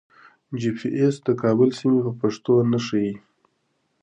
جي پي ایس د کابل سیمې په پښتو نه ښیي.